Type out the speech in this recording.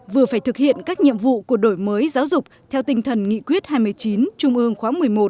vừa phải thực hiện các nhiệm vụ của đổi mới giáo dục theo tinh thần nghị quyết hai mươi chín trung ương khóa một mươi một